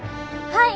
はい！